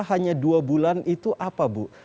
hanya dua bulan itu apa bu